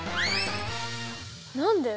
何で？